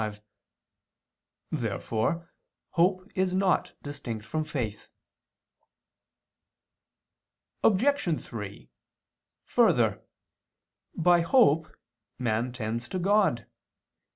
5). Therefore hope is not distinct from faith. Obj. 3: Further, by hope man tends to God.